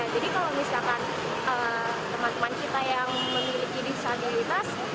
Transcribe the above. kalau misalkan teman teman kita yang memiliki disabilitas